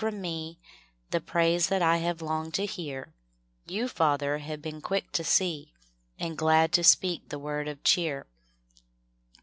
from me The praise that I have longed to hear, Y>u, Father, have been quick to see Ar^d glad to speak the word of cheer.